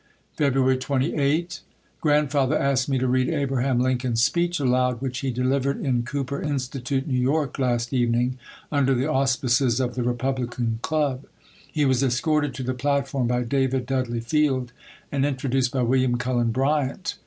February 28. Grandfather asked me to read Abraham Lincoln's speech aloud which he delivered in Cooper Institute, New York, last evening, under the auspices of the Republican Club. He was escorted to the platform by David Dudley Field and introduced by William Cullen Bryant.